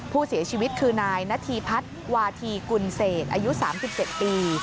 ผู้เสียชีวิตคือนายณฑีภัทรวาธีกุญเศสอายุ๓๗ปี